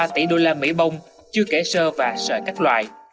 ba tỷ usd bông chưa kể sợi và sợi các loại